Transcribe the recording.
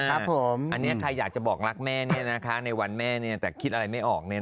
อันนี้ใครอยากจะบอกรักแม่ในวันแม่แต่คิดอะไรไม่ออก